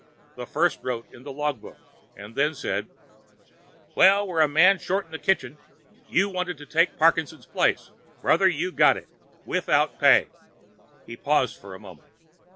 The First wrote in the log book, and then said: "Well, we're one man short in the kitchen. You wanted to take Parkinson's place; brother, you've got it—without pay." He paused for a moment.